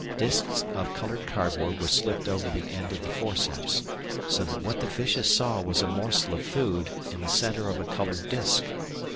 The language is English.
Discs of coloured cardboard were slipped over the end of the forceps, so that what the fishes saw was a morsel of food in the centre of a coloured disc.